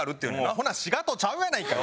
ほな滋賀とちゃうやないかい。